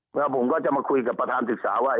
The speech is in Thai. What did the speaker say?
แล้วผมก็จะมาคุยกับประธานศึกษาว่า